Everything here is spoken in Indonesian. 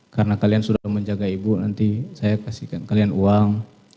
karena kalian sudah menjaga ibu nanti saya kasihkan kalian uang